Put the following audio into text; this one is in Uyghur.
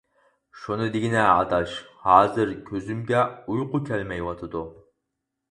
شۇنى دېگىنە ئاداش ھازىر كۆزۈمگە ئۇيقۇ كەلمەيۋاتىدۇ.